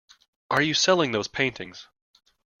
Are you selling those paintings?